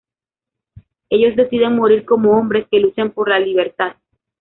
Ellos deciden morir como hombres que luchan por la libertad.